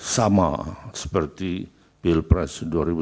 sama seperti pilpres dua ribu sembilan belas